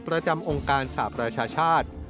ประจำองการสมาบรชชาชาติ